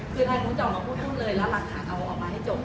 คือใครรู้จะออกมาพูดข้างเลยแล้วหลักฐานเอาออกมาให้จบ